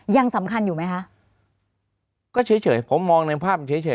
ยังสำคัญอยู่ไหมคะก็เฉยเฉยผมมองในภาพเฉยเฉย